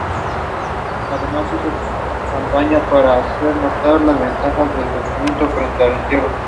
Además hizo campaña para hacer notar las ventajas de la cremación frente al entierro.